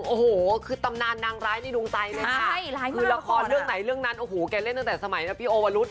โอ้โหคือตำนานนางร้ายในดวงใจเลยค่ะคือละครเรื่องไหนเรื่องนั้นโอ้โหแกเล่นตั้งแต่สมัยนะพี่โอวรุธ